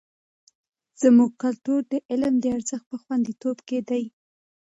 زموږ کلتور د علم د ارزښت په خوندیتوب کې دی.